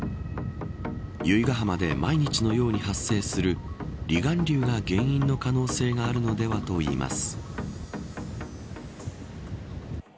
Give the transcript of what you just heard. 由比ガ浜で毎日のように発生する離岸流が原因の可能性があるのではと言います。